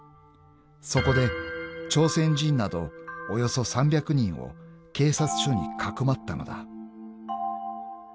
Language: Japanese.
［そこで朝鮮人などおよそ３００人を警察署にかくまったのだ］